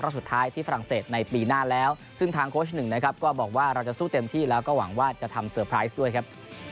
สุดท้ายที่ฝรั่งเศสในปีหน้าแล้วซึ่งทางโค้ชหนึ่งนะครับก็บอกว่าเราจะสู้เต็มที่แล้วก็หวังว่าจะทำเซอร์ไพรส์ด้วยครับ